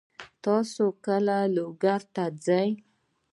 تاسو کله لوګر ته ځئ؟